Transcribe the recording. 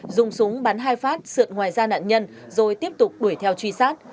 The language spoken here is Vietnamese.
dùng súng bắn hai phát sượn ngoài da nạn nhân rồi tiếp tục đuổi theo truy sát